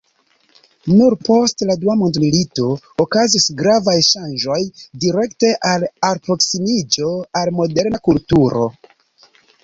Nur post la dua mondmilito okazis gravaj ŝanĝoj direkte al alproksimiĝo al moderna kulturo.